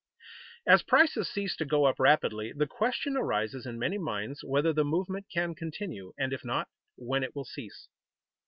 _ As prices cease to go up rapidly, the question arises in many minds whether the movement can continue, and if not, when it will cease.